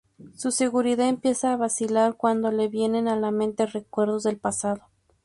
Su seguridad empieza a vacilar cuando le vienen a la mente recuerdos del pasado.